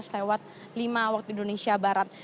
lewat lima waktu indonesia barat